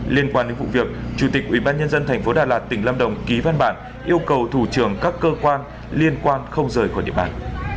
liên quan đến vụ việc chủ tịch ubnd tp đà lạt tỉnh lâm đồng ký văn bản yêu cầu thủ trưởng các cơ quan liên quan không rời khỏi địa bàn